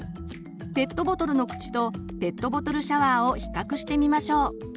ペットボトルの口とペットボトルシャワーを比較してみましょう。